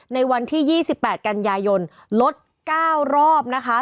ในวันที่๒๘กันยายนลด๙รอบนะคะ